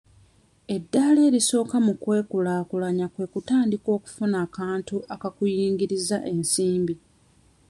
Eddaala erisooka mu kwekulaakulanya kwe kutandika okufuna akantu akakuyingiriza ensimbi.